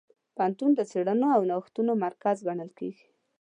پوهنتون د څېړنو او نوښتونو مرکز ګڼل کېږي.